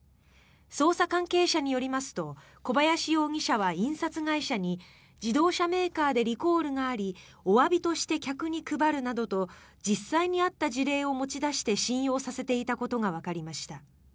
捜査関係者によりますと小林容疑者は印刷会社に自動車メーカーでリコールがありおわびとして客に配るなどと実際にあった事例を持ち出して信用させていたことがわかりました。